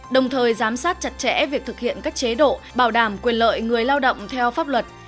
đồng thời giám sát chặt chẽ việc thực hiện các chế độ bảo đảm quyền lợi người lao động theo pháp luật